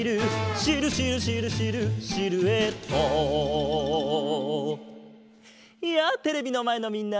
「シルシルシルシルシルエット」やあテレビのまえのみんな！